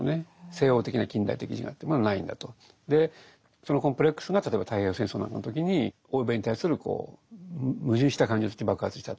そのコンプレックスが例えば太平洋戦争などの時に欧米に対する矛盾した感情として爆発したと。